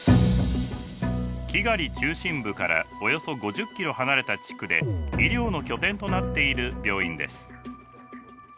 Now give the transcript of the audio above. キガリ中心部からおよそ５０キロ離れた地区で医療の拠点となっている病院です。